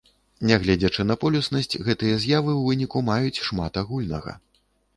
Нягледзячы на полюснасць, гэтыя з'явы ў выніку маюць шмат агульнага.